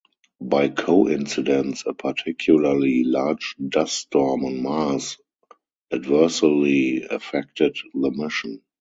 By coincidence, a particularly large dust storm on Mars adversely affected the mission.